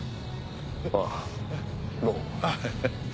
ああどうも。